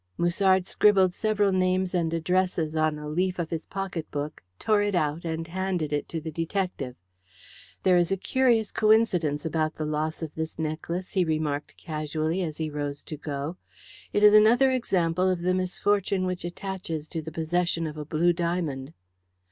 Musard scribbled several names and addresses on a leaf of his pocket book, tore it out, and handed it to the detective. "There is a curious coincidence about the loss of this, necklace," he remarked casually, as he rose to go. "It is another example of the misfortune which attaches to the possession of a blue diamond."